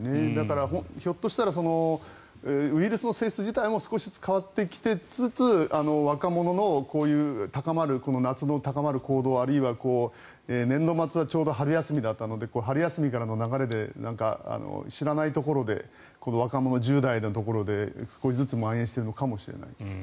ひょっとしたらウイルスの性質自体も少しずつ変わってきてありつつ若者の夏の高まる行動あるいは年度末はちょうど春休みだったので春休みからの流れで知らないところで若者、１０代のところで少しずつまん延しているのかもしれないです。